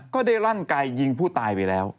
ก็ได้ลั่นไกยิงผู้ตายไปแล้ว